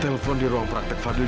telepon di ruang praktek fadli